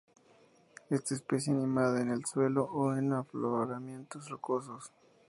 Esta especie anida en el suelo o en afloramientos rocosos.